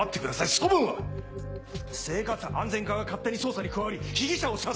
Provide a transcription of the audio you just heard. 処分は⁉生活安全課が勝手に捜査に加わり被疑者を射殺。